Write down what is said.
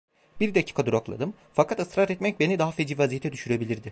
Bir dakika durakladım, fakat ısrar etmek beni daha feci vaziyete düşürebilirdi.